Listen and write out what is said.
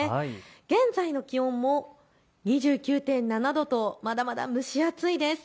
現在の気温も２９．７度とまだまだ蒸し暑いです。